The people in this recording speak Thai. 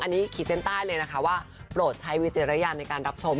อันนี้ขีดเส้นใต้เลยนะคะว่าโปรดใช้วิจารณญาณในการรับชม